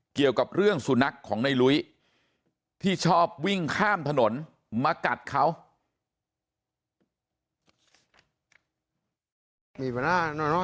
เกี่ยวกับเรื่องสุนัขของในลุ้ยที่ชอบวิ่งข้ามถนนมากัดเขา